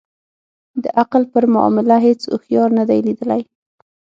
د عقل پر معامله هیڅ اوښیار نه دی لېدلی.